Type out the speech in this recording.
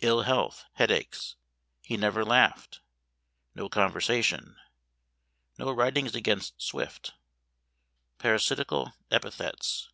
Ill health, headaches_. He never laughed. No conversation. No writings against Swift. Parasitical epithets.